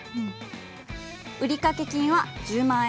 売掛金は１０万円。